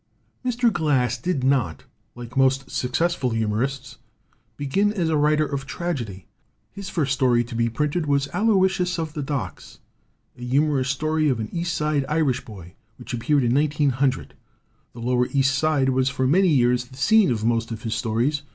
Mr. Glass did not, like most successful humor ists, begin as a writer of tragedy. His first story to be printed was "Aloysius of the Docks," a humorous story of an East Side Irish boy, which appeared in 1900. The lower East Side was for many years the scene of most of his stories.